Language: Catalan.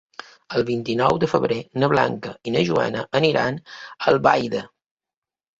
El vint-i-nou de febrer na Blanca i na Joana aniran a Albaida.